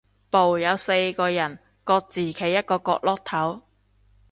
部有四個人，各自企一個角落頭